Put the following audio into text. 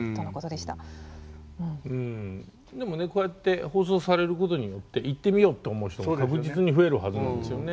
でもねこうやって放送されることによって行ってみようって思う人が確実に増えるはずなんですよね。